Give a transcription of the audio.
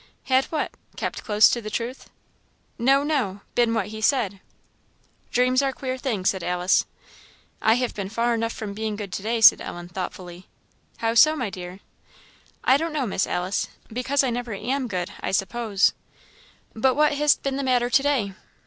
"Had what? kept close to the truth?" "No, no been what he said." "Dreams are queer things," said Alice. "I have been far enough from being good to day," said Ellen, thoughtfully. "How so, my dear?" "I don't know, Miss Alice because I never am good, I suppose." "But what has been the matter to day?"